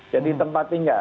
jadi tempat tinggal